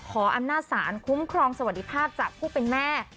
ขออำนาจศาลคุ้มครองสวัสดิภาพจากผู้เป็นแม่